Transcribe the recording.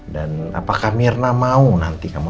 dan apakah mirna mau nanti kamu